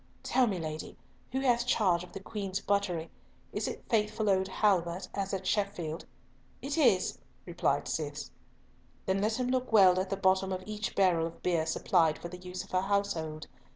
"Tell me, lady, who hath charge of the Queen's buttery? Is it faithful old Halbert as at Sheffield?" "It is," replied Cis. "Then let him look well at the bottom of each barrel of beer supplied for the use of her household.